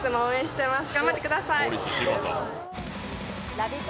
ラヴィット！